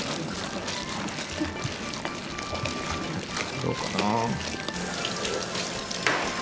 どうかな？